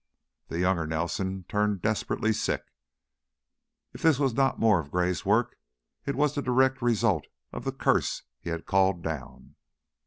The younger Nelson turned desperately sick. If this was not more of Gray's work, it was the direct result of the curse he had called down.